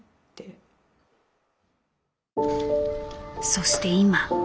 そして今。